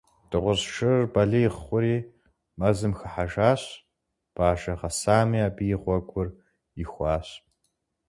Дыгъужь шырыр балигъ хъури, мэзым хыхьэжащ, бажэ гъэсами абы и гъуэгур ихуащ.